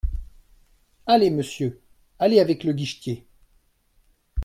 Allez, monsieur, allez avec le guichetier.